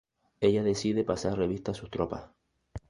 Ella decide pasar revista a sus tropas.